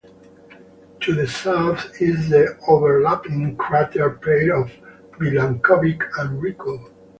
To the south is the overlapping crater pair of Milankovic and Ricco.